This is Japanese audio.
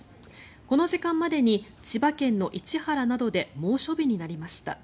この時間までに千葉県の市原などで猛暑日になりました。